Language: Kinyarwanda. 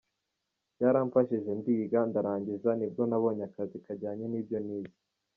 Byaramfashije ndiga, ndarangiza, nibwo nabonye akazi kajyanye n’ibyo nize.